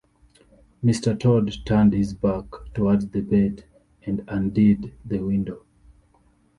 Mr Tod turned his back towards the bed, and undid the window.